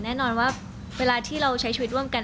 แน่นอนว่าเวลาที่เราใช้ชีวิตร่วมกัน